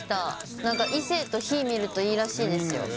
なんか異性と火見るといいらしいですよ。